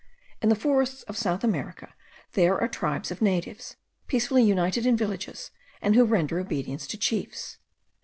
In the forests of South America there are tribes of natives, peacefully united in villages, and who render obedience to chiefs.